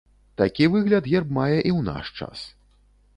Такі выгляд герб мае і ў наш час.